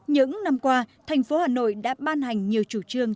những năm qua thành phố hà nội đã ban hành nhiều chủ trương